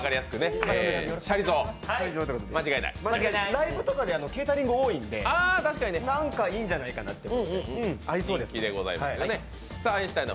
ライブとかでケータリング多いんでなんかいいんじゃないかなって合いそうです。